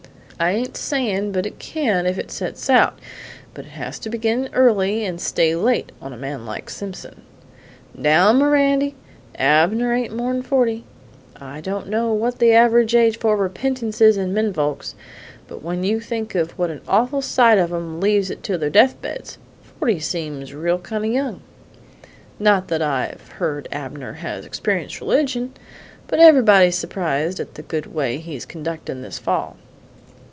"I ain't sayin' but it can if it sets out, but it has to begin early and stay late on a man like Simpson." "Now, Mirandy, Abner ain't more'n forty! I don't know what the average age for repentance is in men folks, but when you think of what an awful sight of em leaves it to their deathbeds, forty seems real kind of young. Not that I've heard Abner has experienced religion, but everybody's surprised at the good way he's conductin' this fall."